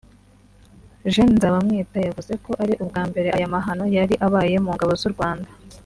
Gen Nzabamwita yavuze ko ari ubwa mbere aya mahano yari abaye mu ngabo z’u Rwanda